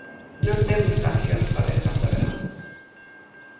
Non temos cancións galegas do verán.